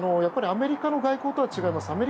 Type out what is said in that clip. アメリカの外交とは違います。